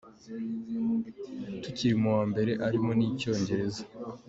tukiri mu wa mbere arimo n’icyongereza.